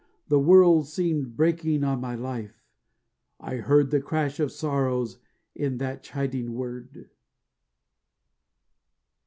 The world seemed breaking on my life; I heard The crash of sorrows in that chiding word.